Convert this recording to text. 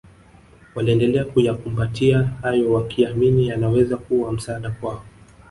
waliendelea kuyakumbatia hayo wakiamini yanaweza kuwa msaada kwao